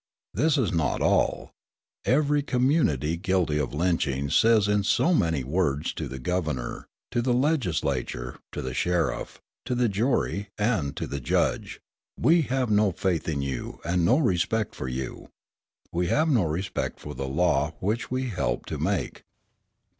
This is not all. Every community guilty of lynching says in so many words to the governor, to the legislature, to the sheriff, to the jury, and to the judge: "We have no faith in you and no respect for you. We have no respect for the law which we helped to make."